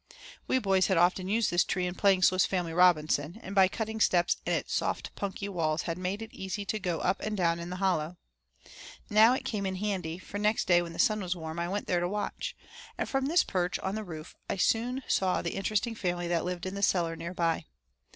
We boys had often used this tree in playing Swiss Family Robinson, and by cutting steps in its soft punky walls had made it easy to go up and down in the hollow. Now it came in handy, for next day when the sun was warm I went there to watch, and from this perch on the roof, I soon saw the interesting family that lived in the cellar near by.